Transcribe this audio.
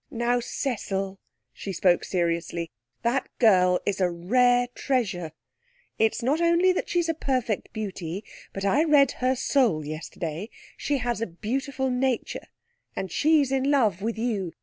Now, Cecil,' she spoke seriously, 'that girl is a rare treasure. It's not only that she's a perfect beauty, but I read her soul yesterday. She has a beautiful nature, and she's in love with you.